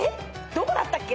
どこだったっけ？